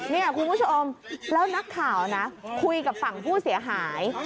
นี่คุณผู้ชมแล้วนักข่าวนะคุยกับฝั่งผู้เสียหาย